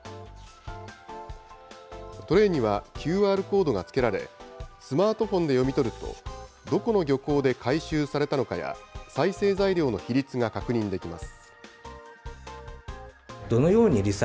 トレーにはＱＲコードが付けられ、スマートフォンで読み取ると、どこの漁港で回収されたのかや、再生材料の比率が確認できます。